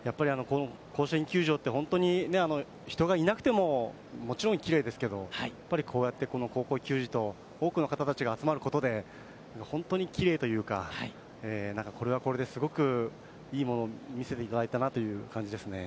甲子園球場って本当に人がいなくてももちろんきれいですけど、こうやって高校球児と多くの方たちが集まることで、本当にきれいというか、これはこれで、すごくいいもの見せていただいたなという感じですね。